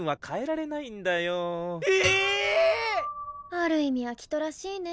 ある意味暁斗らしいね。